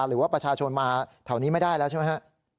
หรือว่าประชาชนมาแถวนี้ไม่ได้แล้วใช่ไหมฮะ